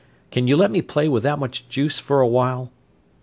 Can you let me play with that much juice for a while?